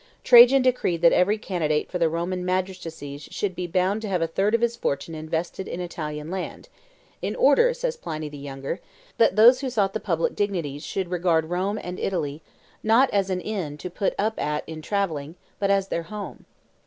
Trajan decreed that every candidate for the Roman magistracies should be bound to have a third of his fortune invested in Italian land, "in order," says Pliny the Younger, "that those who sought the public dignities should regard Rome and Italy not as an inn to put up at in travelling, but as their home."